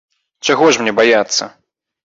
Чаго ж мне баяцца?